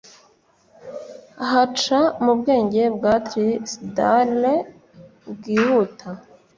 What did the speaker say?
haca mu bwenge bwa trysdale bwihuta